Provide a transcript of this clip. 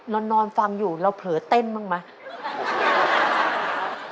เรานอนฟังอยู่แล้วเผลอเต้นบ้างไหม